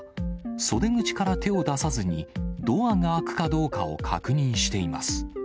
袖口から手を出さずにドアが開くかどうかを確認しています。